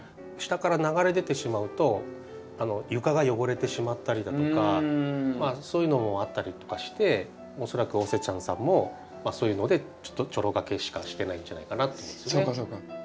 下から流れ出てしまうと床が汚れてしまったりだとかそういうのもあったりとかして恐らくオセちゃんさんもそういうのでちょろがけしかしてないんじゃないかなと思いますね。